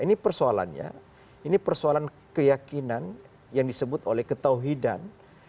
ini persoalannya ini persoalan keyakinan yang disebut oleh ketauhidan